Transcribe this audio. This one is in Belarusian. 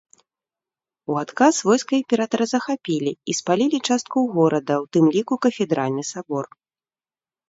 У адказ войска імператара захапілі і спалілі частку горада, у тым ліку кафедральны сабор.